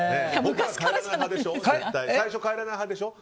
最初、帰らない派でしょ